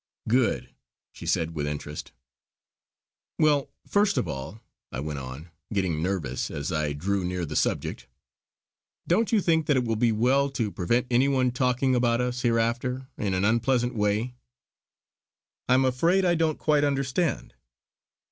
"Good!" she said with interest. "Well, first of all" I went on, getting nervous as I drew near the subject "Don't you think that it will be well to prevent anyone talking about us, hereafter, in an unpleasant way?" "I'm afraid I don't quite understand!"